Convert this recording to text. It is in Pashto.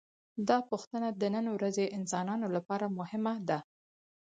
دا پوښتنه د نن ورځې انسانانو لپاره مهمه ده.